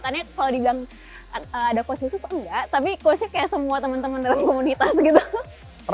kalau dibilang ada coach khusus enggak tapi coachnya kayak semua temen temen dalam komunitas gitu